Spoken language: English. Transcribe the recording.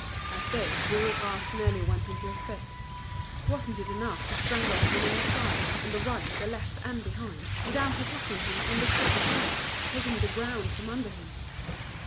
At this Bourras nearly went into a fit. Wasn't it enough to strangle him on all sides, on the right, the left, and behind, without attacking him underfoot as well, taking the ground from under him!